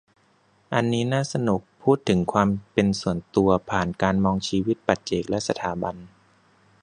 อันนี้น่าสนุก พูดถึงความเป็นส่วนตัว ผ่านการมองชีวิตปัจเจกและสถาบัน